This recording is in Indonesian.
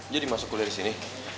jadi masuk kuliah di sini